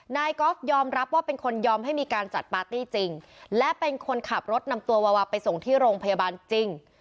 กอล์ฟยอมรับว่าเป็นคนยอมให้มีการจัดปาร์ตี้จริงและเป็นคนขับรถนำตัววาวาไปส่งที่โรงพยาบาลจริง